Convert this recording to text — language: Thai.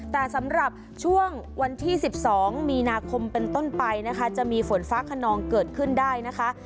แต่สำหรับช่วงวันที่๑๒มีนาคมเป็นต้นไปนะคะจะมีฝนฟ้าขนองเกิดขึ้นได้นะคะ